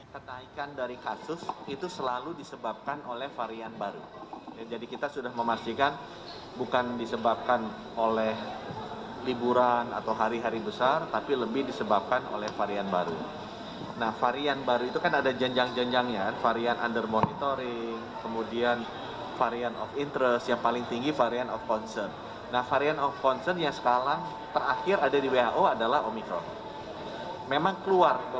pemerintah akan terus mengenjot distribusi vaksin booster ke masyarakat